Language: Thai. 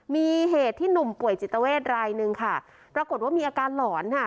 มีเหตุที่หนุ่มป่วยจิตเวทรายหนึ่งค่ะปรากฏว่ามีอาการหลอนค่ะ